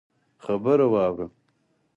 خبره واوره!